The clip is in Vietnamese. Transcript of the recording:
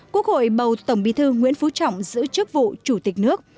quốc hội bầu tổng bí thư nguyễn phú trọng giữ chức vụ chủ tịch nước